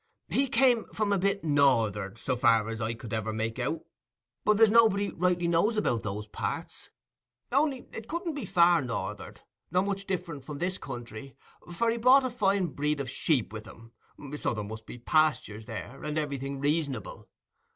He came from a bit north'ard, so far as I could ever make out. But there's nobody rightly knows about those parts: only it couldn't be far north'ard, nor much different from this country, for he brought a fine breed o' sheep with him, so there must be pastures there, and everything reasonable.